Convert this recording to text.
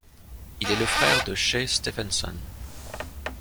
Il est le frère de Shay Stephenson.